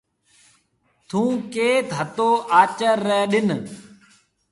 ٿُون ڪيٿ هتو آچر ري ڏن۔